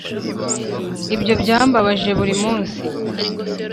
ibyo byambabaje buri munsi,